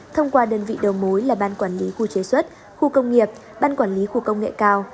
thông qua đơn vị đầu mối là ban quản lý khu chế xuất khu công nghiệp ban quản lý khu công nghệ cao